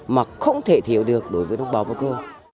mà không thể thiểu được đối với bác bà cô